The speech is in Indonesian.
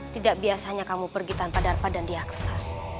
tidak biasanya kamu pergi tanpa darpa dan diaksa